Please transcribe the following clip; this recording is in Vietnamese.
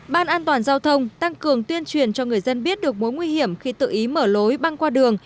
ban an toàn giao thông tăng cường tuyên truyền cho người dân biết được mối nguy hiểm khi tự ý mở lối băng qua đường